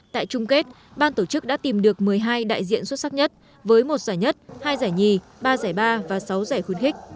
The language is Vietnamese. tại trung kết ban tổ chức đã tìm được một mươi hai đại diện xuất sắc nhất với một giải nhất hai giải nhì ba giải ba và sáu giải khuyến khích